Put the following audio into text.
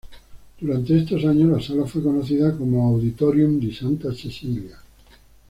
Durante estos años, la sala fue conocida como Auditorium di Santa Cecilia.